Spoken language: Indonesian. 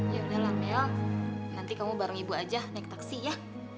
yaudah lah mel nanti kamu bareng ibu aja naik taksi ya